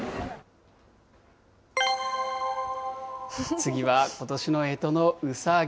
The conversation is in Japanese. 次は、ことしのえとのうさぎ。